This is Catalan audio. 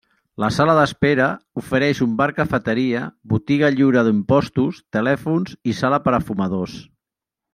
La sala d'espera ofereix un bar-cafeteria, botiga lliure d'impostos, telèfons i sala per a fumadors.